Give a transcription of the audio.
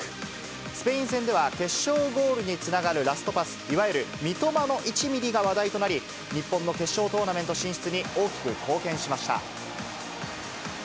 スペイン戦では決勝ゴールにつながるラストパス、いわゆる三笘の１ミリが話題となり、日本の決勝トーナメント進出に大きく貢献しました。